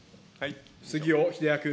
杉尾秀哉君。